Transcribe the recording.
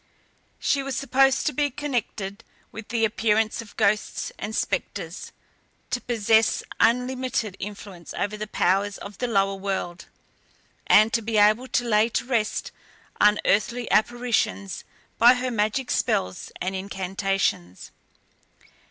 She was supposed to be connected with the appearance of ghosts and spectres, to possess unlimited influence over the powers of the lower world, and to be able to lay to rest unearthly apparitions by her magic spells and incantations.